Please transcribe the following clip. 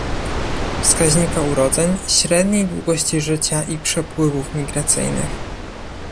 wskaźnika urodzeń, średniej długości życia i przepływów migracyjnych